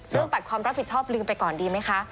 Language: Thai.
ปัดความรับผิดชอบลืมไปก่อนดีไหมคะ